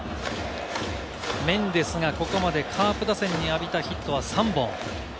メンデスがここまでカープ打線に浴びたヒットは３本。